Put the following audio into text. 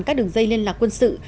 các đường dây liên lạc quân sự